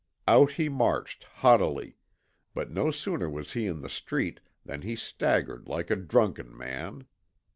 Out he marched haughtily; but no sooner was he in the street than he staggered like a drunken man.